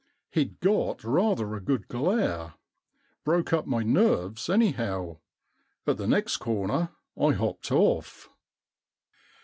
He'd got rather a good glare. Broke up my nerves, anyhow. At the next corner I hopped off.